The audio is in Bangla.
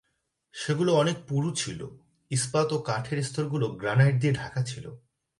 সেগুলো অনেক পুরু ছিল, ইস্পাত ও কাঠের স্তরগুলো গ্রানাইট দিয়ে ঢাকা ছিল।